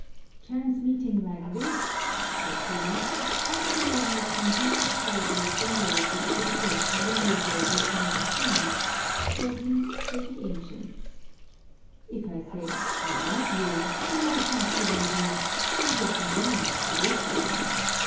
"Chance meetings like this," said he, "often arise from deeper causes than those which take place in the usual routine of things, so at least say the ancients. If I say I love you, you might not believe me; and yet, indeed, it is so.